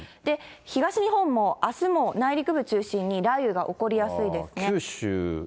東日本もあすも内陸部中心に雷雨が起こりやすいですね。